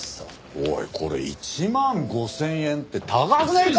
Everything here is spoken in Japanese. おいこれ１万５０００円って高くねえか！？